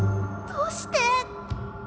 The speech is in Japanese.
どうして！？